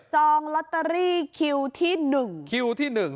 จองล็อตเตอรี่คิวที่หนึ่งคิวที่หนึ่ง